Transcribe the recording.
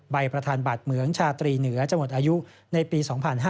ประธานบัตรเหมืองชาตรีเหนือจะหมดอายุในปี๒๕๕๙